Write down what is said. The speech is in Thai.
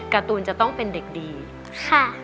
การ์ตูนจะต้องเป็นเด็กดีค่ะ